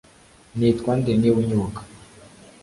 Nitwa nde niba unyibuka